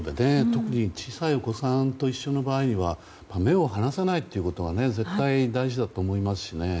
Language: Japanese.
特に小さいお子さんと一緒の場合には目を離さないということが絶対に大事だと思いますしね。